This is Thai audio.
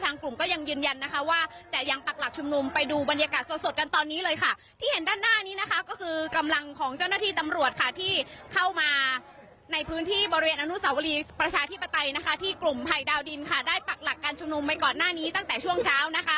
นรุปศาลวิทยุประชาธิปไทยในกลุ่มพลักษณ์ดาวนี้ได้ปักหลากกลางชมนุมไปก่อนหน้านี้ตั้งแต่ช่วงเช้า